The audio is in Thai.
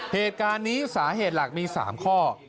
เหตุการณ์นี้สาเหตุหลักมี๓ข้อ